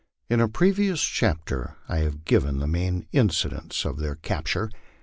In a previous chapter I have given the main incidents of their capture.